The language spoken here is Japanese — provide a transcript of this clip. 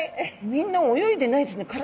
みんな泳いでないですね体